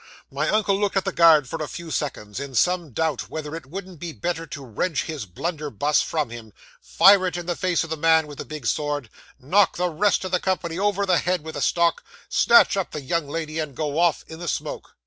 'My uncle looked at the guard for a few seconds, in some doubt whether it wouldn't be better to wrench his blunderbuss from him, fire it in the face of the man with the big sword, knock the rest of the company over the head with the stock, snatch up the young lady, and go off in the smoke.